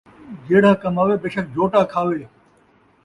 جیڑھا کماوے ، بے شک جوٹا کھاوے